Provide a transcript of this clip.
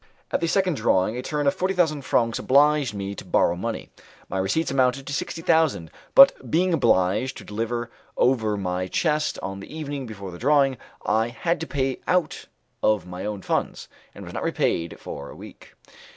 At the second drawing a terne of forty thousand francs obliged me to borrow money. My receipts amounted to sixty thousand, but being obliged to deliver over my chest on the evening before the drawing, I had to pay out of my own funds, and was not repaid for a week.